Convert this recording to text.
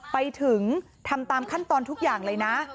ไปถึงทำตามขั้นตอนทุกอย่างเลยนะ